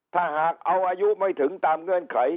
ถ้าหากเอาอายุไม่ถึงตามเงื่อนไข